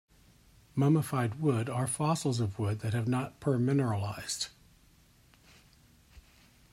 Mummified wood are fossils of wood that have not permineralized.